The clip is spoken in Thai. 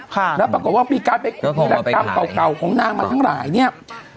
ค่ะแล้วปรากฏว่าปีการไปกลับเก่าของนางมาทั้งหลายเนี่ย